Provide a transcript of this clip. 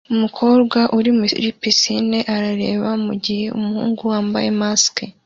Umukobwa uri muri pisine arareba mugihe umuhungu wambaye mask